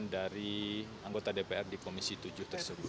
dari anggota dpr di komisi tujuh tersebut